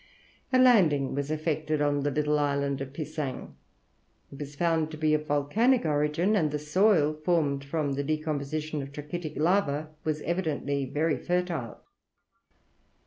A landing was effected on the little island of Pisang. It was found to be of volcanic origin, and the soil, formed from the decomposition of trachytic lava, was evidently very fertile.